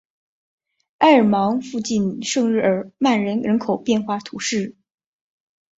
埃尔芒附近圣日耳曼人口变化图示